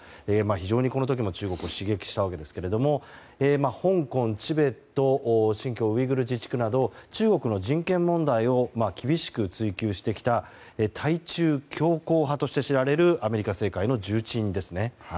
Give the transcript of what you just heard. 非常に、この時も中国を刺激したわけですが香港、チベット新疆ウイグル自治区など中国の人権問題を厳しく追及してきた対中強硬派として知られるアメリカ政界の重鎮ですね。